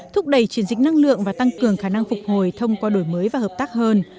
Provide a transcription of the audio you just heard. thúc đẩy chuyển dịch năng lượng và tăng cường khả năng phục hồi thông qua đổi mới và hợp tác hơn